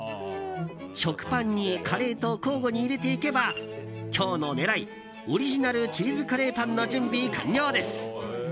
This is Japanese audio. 食パンにカレーと交互に入れていけば今日の狙いオリジナルチーズカレーパンの準備完了です。